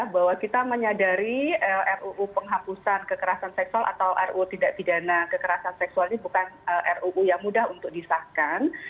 bahwa kita menyadari ruu penghapusan kekerasan seksual atau ruu tidak pidana kekerasan seksual ini bukan ruu yang mudah untuk disahkan